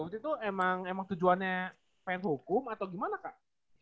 waktu itu emang tujuannya pengen hukum atau gimana kak